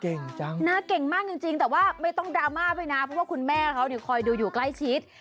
น่าเก่งมากจริงแต่ว่าไม่ต้องดราม่าไปนะเพราะว่าคุณแม่เขาเนี่ยคอยดูอยู่ใกล้ชิด